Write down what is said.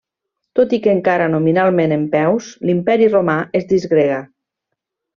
Tot i que encara nominalment en peus, l'Imperi romà es disgrega.